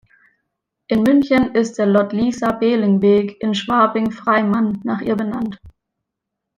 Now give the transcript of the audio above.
In München ist der "Lottlisa-Behling-Weg" in Schwabing-Freimann nach ihr benannt.